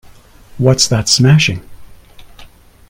What's that smashing?